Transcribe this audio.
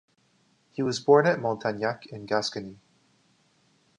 He was born at Montagnac in Gascony.